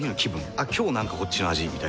「あっ今日なんかこっちの味」みたいな。